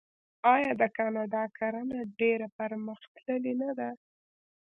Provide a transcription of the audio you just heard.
آیا د کاناډا کرنه ډیره پرمختللې نه ده؟